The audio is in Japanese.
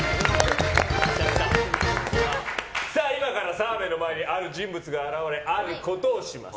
今から澤部の前にある人物が現れあることをします。